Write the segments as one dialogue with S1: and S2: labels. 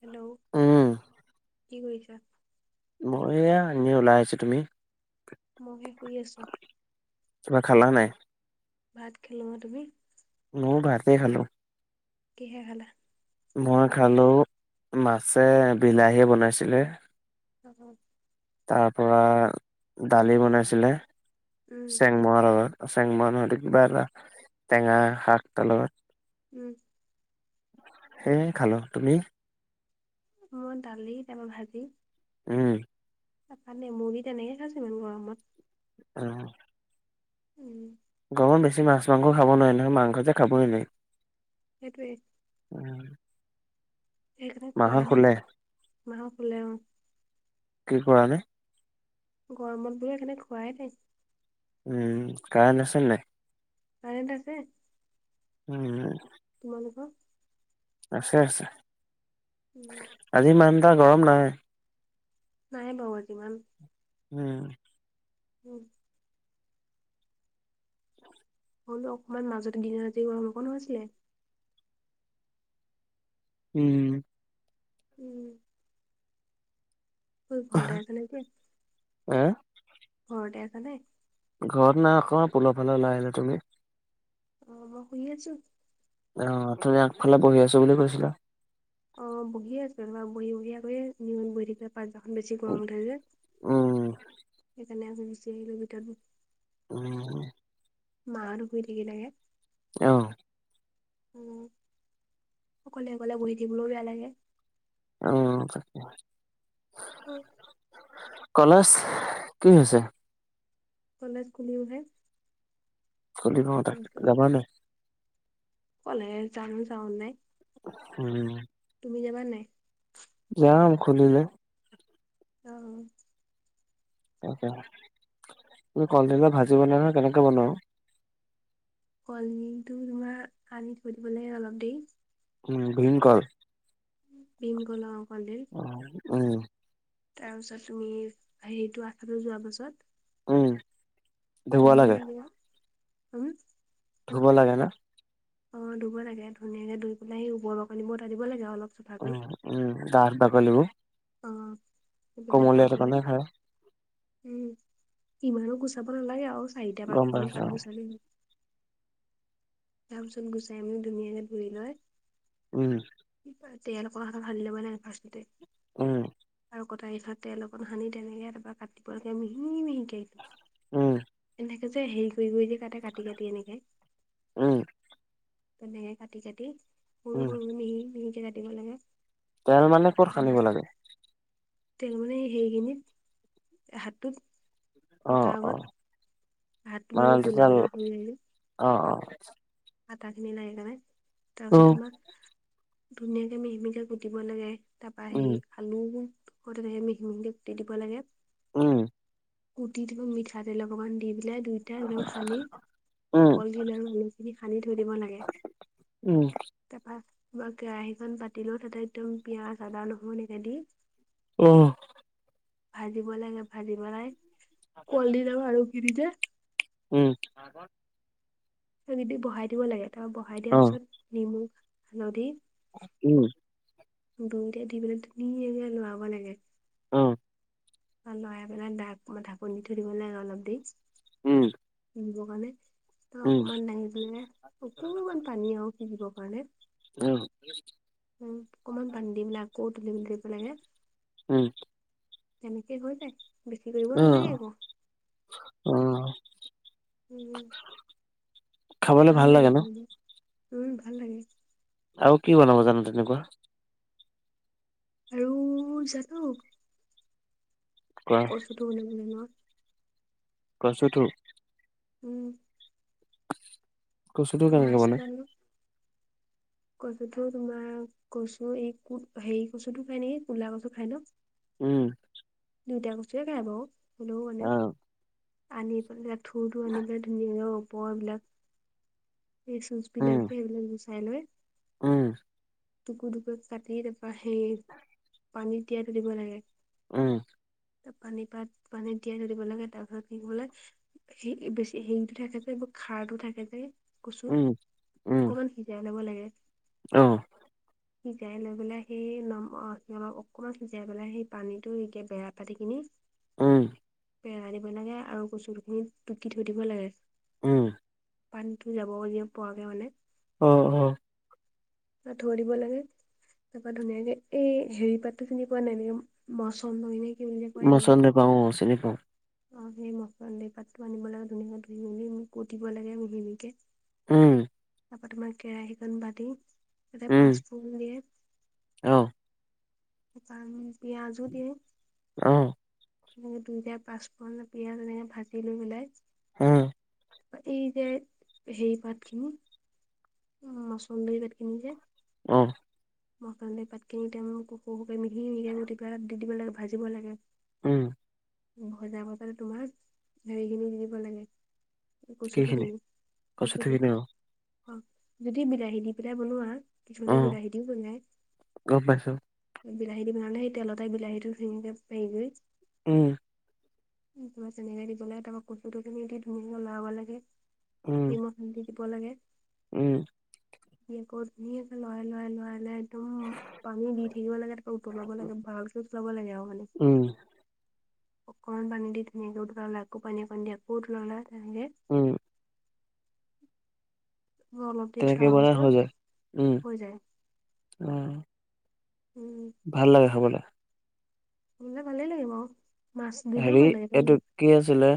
S1: Hello
S2: উম,
S1: কি কৰিছা
S2: মই এয়া আনে ওলাই আহিছো তুমি
S1: মইহে শুই আছো
S2: কিবা খালা নাই
S1: ভাত খালো তুমি
S2: মোও ভাতে খালো
S1: কিহে খালা
S2: মই খালোঁ মাছে বিলাহীয়ে বনাইছিলে
S1: [unintelligible]
S2: তাৰ পৰা দালি বনাইছিলে
S1: উম
S2: চেং মৰা লগত চেং মৱা নহয় কিবা এটা টেঙা শাক তাৰ লগত
S1: উম
S2: হে খালো তুমি
S1: মই দালি তাপা ভাজি
S2: উম
S1: তাপা নেমু দি তেনেকে খাইছো ইমান গৰমত
S2: অ
S1: উম
S2: গৰমত বেছি মাছ মাং খাব নোৱাৰে নহয় মাংস যে খাবই [unintelligible]
S1: সেইটোৱে
S2: উম,
S1: সেইকাৰণে
S2: মাহত
S1: খোৱাই নাই
S2: শুলে
S1: মাহত শুলে অ
S2: কি কৰা নে
S1: গৰমত বোৰে সেই কাৰণে খোৱাই নাই
S2: উম কাৰেন্ট আাছে নে নাই
S1: কাৰেন্ট আছে
S2: উম
S1: তোমালোকৰ
S2: আছে আছে
S1: উম
S2: আজি ইমান এটা গৰম নাই
S1: নাই বাও আজি ইমান
S2: উম
S1: [inaudible] হ'লো অকমান মাজতে দিন আজি গৰম অকনো আছিলে
S2: উম।
S1: উম্। ক'ত ঘৰ আছা নে এতিয়া?
S2: এ'।
S1: ঘৰতে আছা নে?
S2: ঘৰত নাই অকনমান পোলৰফালে [unintelligible] ওলাই আহিলো তুমি
S1: অ' মই শুনি আছোঁ।
S2: অ' তুমি আগফালে বহি আছো বুলি কৈছিলা।
S1: অ' বহিয়েই আছোঁ যেনিবা বহি বহি এই নিহন [unintelligible] বহি। পাৰজাখন [unintelligible] বেছি
S2: উম,
S1: গৰম উঠে যে সেইকাৰণে আজি গুচি আহিলোঁ ভিতৰত।
S2: উম।
S1: মা -হতো শুই থাকিলেগে।
S2: অ'।
S1: উ, অকলে -অকলে বহি থাকিবলৈও বেয়া লাগে।
S2: অ'।
S1: উম।
S2: কলেজ কি হৈছে?
S1: কলেজ খুলিবহে।
S2: খুলিব তাকে যাবা নাই?
S1: কলেজ যাম যাওঁ নে?
S2: উম।
S1: তুমি যাবা নাই?
S2: যাম খুলিলে।
S1: অ'।
S2: ত, তুমি কলডিলা ভাজি বনালে কেনেকে বনোৱা অ'।
S1: কলদিলটো তোমাৰ আনি থৈ দিব লাগে অলপ দেৰি
S2: উম ভীমকৰ
S1: ভীমকলৰ কলদিল
S2: অ', উম।
S1: তাৰ পিছত তুমি হেৰিটো আঠাটো যোৱা পাছত
S2: অ'।
S1: ধুনীয়া গুৱা [unintelligible]
S2: ধুব লাগে না?
S1: অ' ধুব লাগে ধুনীয়াকে ধুই পেলাই হেই ওপৰ বাকলি বোৰ আঁতৰাই দিব লাগে অলপ চাফা কৰি
S2: উম, উম দাঠ বাকলি বোৰ
S1: অ'। সেইবিলাক
S2: কমলীয়াটো
S1: অতৰাই
S2: কাৰণে খায়
S1: উম, ইমানো গুচাব নালাগে আৰু চাৰিটা
S2: গম
S1: পাঁচটা মান
S2: পাইছো
S1: পাত
S2: অ'।
S1: গুচালে হ'ল। তাৰ পিছত গুচাই মেলি ধুনীয়াকে ধুই লয়
S2: উম [unintelligible]
S1: তেল অকন হাতত সানি ল'ব লাগে ফাষ্টতে
S2: অ'।
S1: আৰু কটাৰী খনত তেল অকণ সানি তেনেকে তাপা কাটিব লাগে মিহি
S2: উম।
S1: এনেকে যে হেৰি কৰি যে কাতে কাটি কাটি এনেকে।
S2: উম'
S1: তেনেকে কাটি কাটি সৰু
S2: উম,
S1: সৰু মিহি মিহিকে কাটিব লাগে।
S2: তেল মানে ক'ত সানিব
S1: তাৰপিছত
S2: লাগে?
S1: তেল মানে সেইখিনিত এ হাতটোত।
S2: অ',
S1: কটাৰ আগত,
S2: অ',
S1: ভাত মাৰি ক'লা ক'লা হৈ আহিলে।
S2: অঁ' অঁ'।
S1: আটাখিনি লাগেইকাণে তাৰ পিছত, তোমাক ধুনীয়াকে মিহি মিহিকে কুটিব লাগে। তাপা সেৰি আলু আকৌ তেনেকে মিহি মিহিকে কুটি দিব লাগে।
S2: উম'
S1: কুটি দিব, মিঠাতেল অকমান দি পেলাই দুইত- এতিয়া একদম সানি কলডিল আৰু ৰোলখিনিত সানি থৈ দিব লাগে। তাপা কেৰাহীখন পাতিলৈ তাতে একদম পিয়াঁজ, আদা, নহৰু এনেকে দি-
S2: অঁ'
S1: ভাজিব লাগে, ভাজি পেলাই কলডিল আৰু আলুখিনিতে-
S2: উম'
S1: দি বহাই দিব লাগে, তাপা বহাই দিয়াৰ পিছত নিমখ, হালধি-
S2: উম'
S1: দুইটাই দি পেলাই ধুনীয়াকে লৰাব লাগে। লৰাই পেলাই দাক মানে ঢাকোন দি থব লাগে অলপ দেৰি।
S2: উম'
S1: দিবৰ কাৰণে ত' অকমান দাঙি পেলাই অকণমান পানী আৰু সিজিবৰ কাৰণে।
S2: উম'
S1: উম' অকনমান পানী দি পেলাই আকৌ তুলি কিনি থৈ দিব লাগে।
S2: উম'
S1: তেনেকে হৈ যায়, বেছি কৰিব নালাগে একো।
S2: অঁ'
S1: ওম' উম' ভাল লাগে খুন্দি, উম' ভাল লাগে।
S2: আৰু কি বনাব জানো তেনেকুৱা?
S1: আৰু জানো।
S2: কোৱা
S1: কচুটো বনাব জানো আৰু।
S2: কচুঠোক।
S1: উম'
S2: কচুটো কেনেকে বনাই?
S1: কচু ঠু তোমাৰ, কচু এই কো হেৰি কচু খাই নেকি? কুলা কচু খাই ন?
S2: উম'
S1: দুইটা কচুয়ে খাই বাৰু, হ'লেও মানে
S2: আহ
S1: আনি পেলাই- ঠুটো আনি পেলাই ধুনীয়াকে ওপৰৰ বিলাক, এই
S2: উম
S1: চুচবিলাক যে সেইবিলাক- খাইলোৱে।
S2: উম'
S1: টুকুৰ-টুকুৰ কাটি তাপা সেই পানী তিয়াই থৈ দিব লাগে।
S2: উম'
S1: ত' পানী পাত পানীত তিয়াই থৈ দিব লাগে, তাৰ পিছত কি কৰিব লাগে- সেই বেছি সেইটো থাকে যে অলপ খাৰটো থাকে যে। কচুৰ,
S2: উম উম
S1: অকনমান সিজাই ল'ব লাগে।
S2: অ'।
S1: সিজাই লৈ পেলাই সেই, সি অলপ অকনমান সিজাই পেলাই, সেই পানীত তে বেয়া পানী খিনি
S2: উম্।
S1: পেলাই দিব লাগে আৰু কচুঠোৰ খিনি টুকি থৈ দিব লাগে।
S2: উম্।
S1: পানীতো যাব দিব পোৱাকে মানে।
S2: উম্ উম্।
S1: থৈ দিব লাগে। তাৰাপা ধুনীয়াকে, এই হেৰি পাতটো চিনি পোৱা নাই। এনেকে মচন্দই নে কি বুলি যে কয়,
S2: মই
S1: এনেকে।
S2: চন্দে পাওঁ চিনি পাওঁ
S1: অ', সেই মচন্দই পাতটো আনিব লাগে ধুনীয়াকে, ধুই মেলি কুটি দিব লাগে মিহি মিহিকে।
S2: উম্।
S1: তাৰপৰা তোমাৰ কেৰাহীখন পাতি, তাতে তোমাৰ
S2: উম
S1: পাঁচফুৰন দিয়ে।
S2: অ
S1: তাৰপৰা পিয়াজো দিয়ে।
S2: অ'।
S1: এনেকে দুইটা পাঁচফোৰণ, পিয়াজ, এনেকে ভাজি লৈ পেলাই
S2: হম্।
S1: এই যে হেৰি পাত খিনি উম্, মচন্দৰি পাত খিনি যে
S2: অ',
S1: মচন্দই পাত খিনি মোক সৰু সৰুকে মিহি মিহিকে কুটি পেলাই তাত দি দিব লাগে, ভাজিব লাগে।
S2: উম্।
S1: ভজা বতাতে তোমাৰ হেৰি খিনি দি দিব লাগে। কচুঠোৰ
S2: কেইখিনি
S1: খিনি, কচুটো। অ', যদি বিলাহী দি পেলাই বনোৱা,
S2: অ
S1: কিছুমানে বিলাহী দিও বনায়।
S2: গম পাইছো।
S1: বিলাহী দি বনালে, সেই তেলতে বিলাহীটো সিঙি দি হেৰি কৰি।
S2: উম্।
S1: তেনেকে দি দিব লাগে, তাৰপৰা কচুঠোৰখিনি দি ধুনীয়াকে লৰাব লাগে। নিমখ দি দিব লাগে।
S2: উম্।
S1: দি আকৌ ধুনীয়াকৈ লৰায় লৰায় লৰায় একদম পানী দি থাকিব লাগে, তাৰপৰা উতলাব লাগে। ভালকে উতলাব লাগে আৰু মানে।
S2: উম্।
S1: অকনমান পানী দি ধুনীয়াকে উতলালা, আকৌ পানী অকণ দি আকৌ উতলাব লাগে। তেনেকে
S2: উম্,
S1: অলপ দি
S2: তেনেকে
S1: থোৱাৰ
S2: বনাই
S1: পাছত
S2: হৈ যায়। উম্,
S1: হৈ যায়
S2: অ'।
S1: উম্।
S2: ভাল লাগে খাবলৈ।
S1: সুঙিলে ভালেই লাগিব আৰু।
S2: হেৰি এইটো কি আছিলে,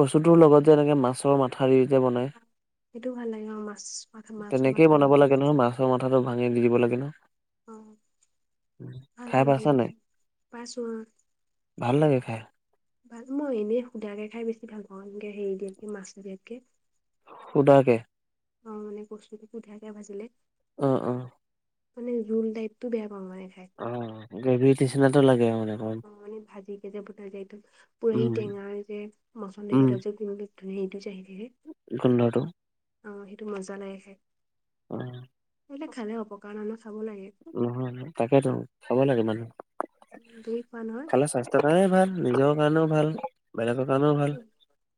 S2: কচুথোৰ লগত যে এনেকে মাছৰ মাথা ঠাৰি যে বনাই,
S1: সেইটো ভাল লাগে আৰু মাছ মাথা মাছৰ
S2: তেনেকেই
S1: মাথা দি
S2: বনাব
S1: দি
S2: লাগে নহয়। মাছ মাছৰ মাথাটো ভাঙি দি দিব লাগে ন!
S1: অ',
S2: উম,
S1: ভাল
S2: খাই
S1: লাগে দি।
S2: পাইছা নাই?
S1: পাইছোঁ অ'।
S2: ভাল লাগে খাই।
S1: ভাল। মই এনেই সুধাকে খাই বেছি ভাল পাওঁ, এনেকে হেৰি দিয়াতকে মাছ দিয়াতকে।
S2: সুদাকে?
S1: অ' মানে বস্তুটো সুদাকে ভাজিলে।
S2: অ', অ'।
S1: মানে জোল দাইত টো বেয়া পাওঁ মানে খাই।
S2: অ' গ্ৰেভী নিচিনাটো লাগে মানে? অকমান।
S1: অ' মানে ভাজি কে যে বনাই যে একদম পুৰা
S2: উম,
S1: টেঙা যে মচন্দৰী
S2: উম।
S1: পাতট যে ক টো সেইটো যে আহি থাকে।
S2: গোন্ধটো?
S1: অ' সেইটো মজা লাগে খায়।
S2: অ'।
S1: এইলাক খালে অপকাৰ নহয় নহয় খাব লাগে।
S2: নহয়, তাকেইতো খাব লাগে মানুহে।
S1: ই খোৱা নহয়?
S2: খালে স্বাস্থ্যৰ কাৰণে ভাল, নিজৰ কাৰণেও ভাল। বেলেগৰ কাৰণেও ভাল।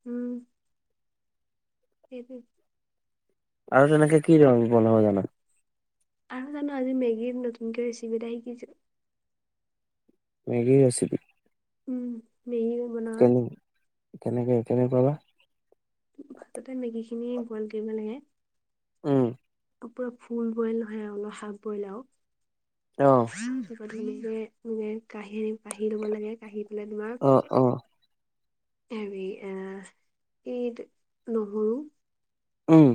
S1: উম। সেইটোৱে।
S2: আৰু তেনেকে কি ৰং বনাব জান?
S1: আৰু জান, আজি মেগীৰ নতুনকে ৰেচিপি এটা শিকিছোঁ।
S2: মেগীৰ ৰেচিপি?
S1: উম, মেগীৰ।
S2: কেনি, কেনেকে কেনেকুৱা বা?
S1: ভাততে মেগীখিনি বইল কৰিব লাগে।
S2: উম।
S1: অ' পুৰা ফুল বইল নহয় আৰু, অলপ হাফ বইল আৰু।
S2: অ'।
S1: গধুলিলে মানে কাহি কাহি ল'ব লাগে, কাহি পেলাই তোমাৰ।
S2: অ অ'।
S1: হেৰি এ', এইটো নহৰু
S2: উম।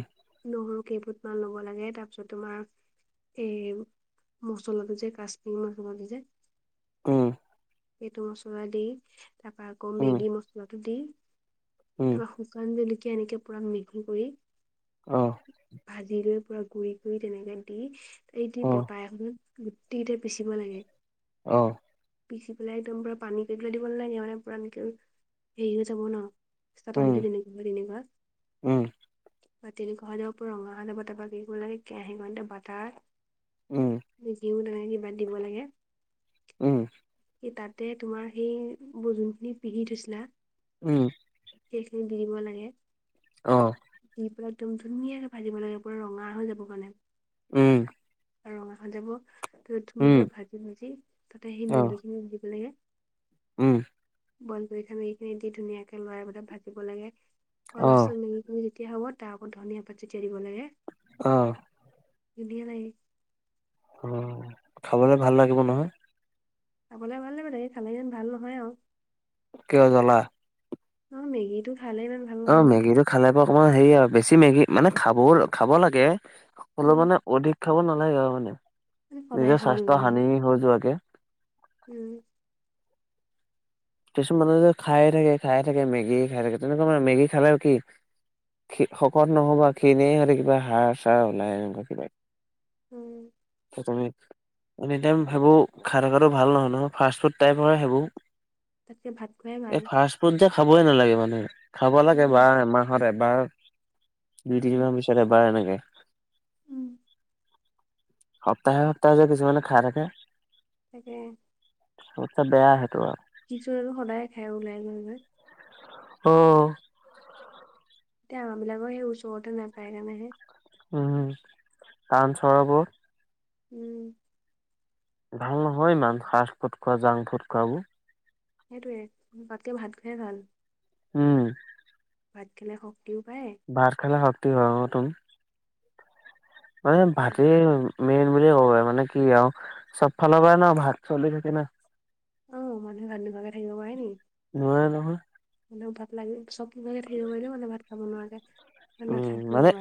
S1: নহৰু কেইফুটমান ল'ব লাগে, তাৰপিছত তোমাৰ এই মছলাটো যে কাশ্মীৰী মছলাটো যে
S2: উম।
S1: এইটো মছলা দি, তাৰপৰা আকৌ
S2: উম
S1: মেগী মচলাটো দি,
S2: উম
S1: তাৰপা শু কান জলকীয়া এনেকে পুৰা মিহি কৰি
S2: অ'।
S1: ভাজি লৈ পুৰা গুৰি কৰি তেনেকে দি, এই দি
S2: অ
S1: পটা এখনত গোটেইটো পিচিব লাগে।
S2: অ'।
S1: পিচি পেলাই একদম বৰ পানী কৰিবলৈ দিব নালাগে মানে, পূৰা এনেকে, হেৰি হৈ যাব ন'।
S2: উম
S1: চাতনিটো যেনেকুৱা হয় তেনেকুৱা
S2: উম
S1: তেনেকুৱা হৈ যাব পূৰা ৰঙা হৈ যাব, তাৰপা কি কৰিব লাগে কেৰাহীকনতে বাটাত
S2: উম
S1: [unintelligible] বান্ধিব লাগে।
S2: উম।
S1: ত' তাতে তোমাৰ সেই, ব' যোনখিনি পিহি থৈছিলা-
S2: উম।
S1: সেইখিনি দি দিব লাগে।
S2: অহ।
S1: দি পুৰা একদম ধুনীয়া ভাজিব লাগে পুৰা ৰঙা হৈ যাব গ'লে।
S2: উম।
S1: আৰু, [unintelligible]
S2: উম
S1: ধুনীয়াকে ভাজি ভাজি, তাতে সেই
S2: অ
S1: মেগীখিনি দিব লাগে।
S2: উম।
S1: বইল কৰি খাবি। এইখিনি দি ধুনীয়াকে লৰাই [unintelligible] ভাজিব লাগে। আ
S2: অ
S1: লাষ্টতোত মেগী- খিনি যেতিয়া হ'ব, তাৰ আগত ধনিয়া পাত চেতিয়াই দিব লাগে।
S2: অহ।
S1: ধুনীয়া লাগে।
S2: অহ, খাবলৈ ভাল লাগিব নহয়?
S1: খাবলৈ মানে ভাল লাগিব দেই খালে যেন ভাল নহয় আৰু।
S2: কিয় জানা?
S1: অহ, মেগীটো খালে ইমান- ভাল
S2: অ',
S1: নহয় যে
S2: মেগীটো খালে বাৰু অকণমান হেৰি আৰু। বেছি মেগী, মানে খাবৰ, খাব লাগে। হ'লেও
S1: উম
S2: মানে অধিক খাব নালাগে আৰু মানে।
S1: মানে সদায়
S2: নিজৰ
S1: খাব
S2: স্বাস্থ্য
S1: নালাগে
S2: হানি হৈ যোৱাকে।
S1: উম।
S2: কিছু মানুহে যে খায়ে থাকে, খায়ে থাকে, মেগীয়ে খাই থাকে। তেনেকুৱা মানে মেগী খালে আৰু কি? খ শকত নহ'বা খিনেই হৈ থাকিবা হাৰ চাৰ ওলাইকিবা
S1: উম
S2: মি এনিটাইম সেইবোৰ খাই থকাটো ভাল নহয় নহয় ফাষ্ট ফুড টাইপৰ সেইবোৰ
S1: তাতকৈ ভাত খোৱাই ভাল
S2: সেইবোৰ যে খাবই নালাগে মানে খাব লাগে
S1: উম
S2: এবাৰ এমাহত এবাৰ দুই
S1: উম
S2: তিনি মাহ পিছত এবাৰ এনেকে
S1: উম
S2: সপ্তাহে সপ্তাহে যে কিছুমানে খাই থাকে
S1: তাকে
S2: [unintelligible] বেয়া সেইটো আৰু
S1: কিছুমানে সদায়ে খাই ওলাই গৈ
S2: অ
S1: তে আমবিলাকো সেই ওচৰতে নাপায় কাৰণে হে
S2: উম টাউন চহৰবোৰত
S1: উম
S2: ভাল নহয় ইমান ফাষ্ট ফুড খোৱা জাংক ফুড খোৱাবোৰ
S1: সেইটোৱে বাকি ভাত খোৱাই ভাল
S2: উম
S1: ভাত খালে শক্তিও পায়
S2: ভাত খালে শক্তি [unintelligible] তু মানে ভাতেই মেইন বুলিয়ে ক'ব পাৰি মানে কি আৰু চব ফালৰ পৰা ন ভাত চলি থাকে না
S1: অ মানুহে ভাত নোখোৱাকে থাকিব পাৰে নেকি
S2: নোৱাৰে নহয়
S1: মানে [unintelligible] লাগিলে চব নোখোৱাকৈ থাকিব‌ পাৰিলেও ভাত নোখোৱাকে থাকিব নোৱাৰে
S2: উম মানে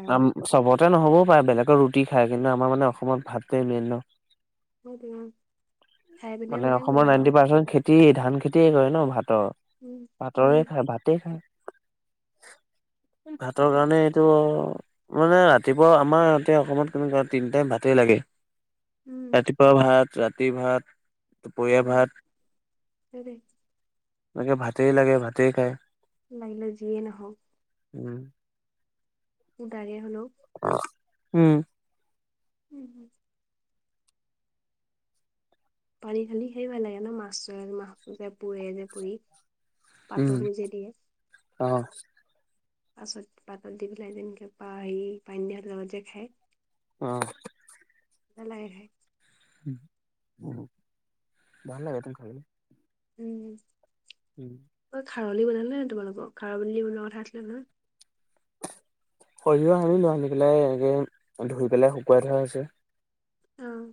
S2: চবতে নহ'বও পাৰে বেলেগৰ ৰুটি খায় কিন্তু আমাৰ মানে অসমত ভাতটে মেইন ন
S1: হয় দিয়া
S2: মানে অসমৰ নাইনটি পাৰ্চেণ্ট খেতি ধান খেতিয়ে কৰে নহ ভাতৰ,
S1: উম উম
S2: ভাতৰে খায় ভাতে খায়। ভাতৰ
S1: সেইটোৱে
S2: কাৰণে তহ মানে ৰাতিপুৱা আমাৰ ইতে অসমত কেনেকুৱা তিনি টাইম ভাতেই লাগে।
S1: উম
S2: ৰাতিপুৱা ভাত, ৰাতি ভাত দুপৰীয়া
S1: উম
S2: ভাত,
S1: সেইটোৱে
S2: এনেকে ভাতেই লাগে ভাতেই খায়।
S1: লাগিলে যিয়ে নহওক
S2: উম
S1: উদাগে হলেও
S2: উম
S1: [unintelligible] পানী খালি সেই ভাল লাগে নহ মাছৰে মাছ যে পুৰে যে পুৰি পাতৰো যে দিয়ে
S2: অহ
S1: পাছত পাতত দি পেলাই আনি তেনেকৈ হেৰি পানী দিয়া ভাতৰ লগত যে খায়।
S2: অহ
S1: ভাল লাগে খাই
S2: ভাল লাগেটো খালে
S1: উম
S2: [inaudible]
S1: অ' খাৰলি বনালে নহ তোমালোক? খাৰলি বনোৱা কথা আছিলে নহয়।
S2: সৰিয়হ আনিলো আনি পেলাই এনেকে ধুই পেলাই শুকুৱাই থোৱা আছে।
S1: অ'।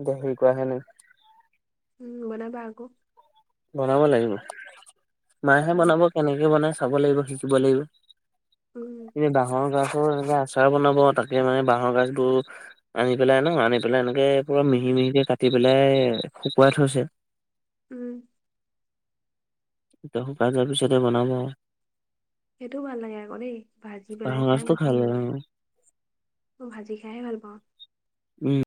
S2: এতিয়া হেৰি কৰাহে নাই।
S1: উম বনাবা আকৌ।
S2: বনাব লাগিব, মায়েহে
S1: উম
S2: বনাব কেনেকে বনাই চাব লাগিব শিকিব লাগিব।
S1: উম
S2: [unintelligible] টাৰ বনাব, তাকে মানে বাহৰ গছ বোৰ আনি পেলাই নহ আনি পেলাই এনেকে পুৰা
S1: উম
S2: মিহি মিহিকে কাটি কাটি পেলাই শুকুৱাই থৈছে।
S1: উম
S2: তহ শুকাই যোৱাৰ পিছতে বনাব আৰু
S1: সেইটোও ভাল লাগে আকৌ দেই, ভাজি পেলাই
S2: বাঁহৰ
S1: খাই
S2: গাজটো
S1: বেছি ভাল
S2: লয়
S1: লাগে। মই ভাজি খাইহে ভাল পাওঁ।
S2: উম